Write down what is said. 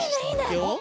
いくよ。